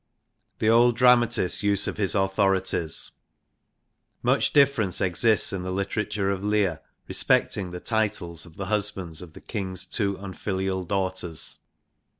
The old dramatist's use of his authorities. Much difference exists in the literature of Lear respecting the titles of the husbands of the King's two unfilial daughters.